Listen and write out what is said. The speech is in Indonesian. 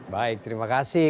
baik terima kasih